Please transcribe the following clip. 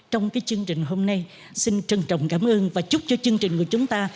trong chương trình hôm nay xin trân trọng cảm ơn và chúc cho chương trình của chúng ta